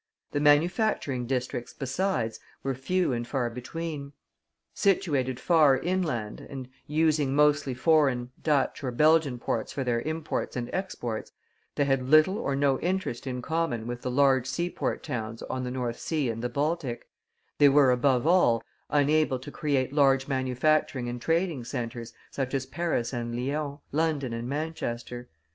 The manufacturing districts, besides, were few and far between; situated far inland, and using, mostly, foreign, Dutch, or Belgian ports for their imports and exports, they had little or no interest in common with the large seaport towns on the North Sea and the Baltic; they were, above all, unable to create large manufacturing and trading centres, such as Paris and Lyons, London and Manchester.